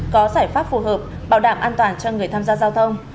có giải pháp phù hợp bảo đảm an toàn cho người tham gia giao thông